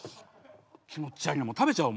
気持ち悪いな食べちゃおう